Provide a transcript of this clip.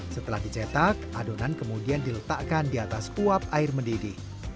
setelah dicetak adonan kemudian diletakkan di atas uap air mendidih